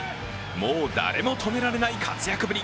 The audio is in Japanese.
もう、誰も止められない活躍ぶり。